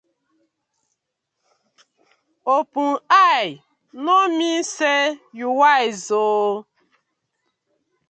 Open eye no mean say yu wise ooo.